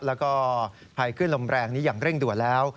แล้วก็ภัยขึ้นลมแรงนี้อย่างเร่งด่วนแล้ว